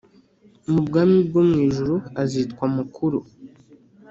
mu bwami bwo mu ijuru azitwa mukuru.